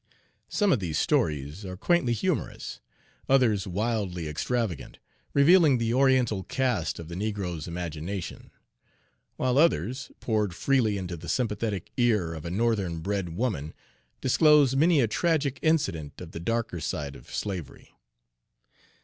Some of these stories are Page 41 quaintly humorous; others wildly extravagant, revealing the Oriental cast of the negro's imagination; while others, poured freely into the sympathetic ear of a Northern bred woman, disclose many a tragic incident of the darker side of slavery.